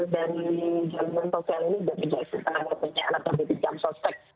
dari jaminan sosial ini